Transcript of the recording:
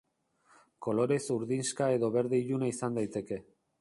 Kolorez urdinxka edo berde iluna izan daiteke.